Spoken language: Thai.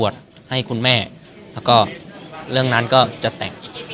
ได้ทุกเมื่อค่ะ